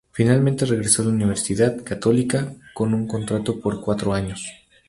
Finalmente regresó a la Universidad Católica con un contrato por cuatro años.